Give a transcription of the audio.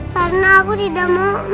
karena aku tidak mau meninggal